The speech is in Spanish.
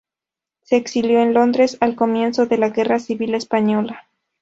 Se exilió en Londres al comienzo de la Guerra Civil Española.